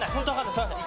すいません。